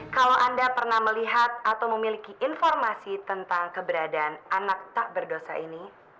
kalau anda pernah melihat atau memiliki informasi tentang keberadaan anak tak berdosa ini